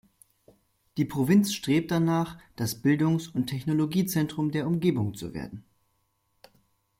Die Provinz strebt danach, das Bildungs- und Technologie-Zentrum der Umgebung zu werden.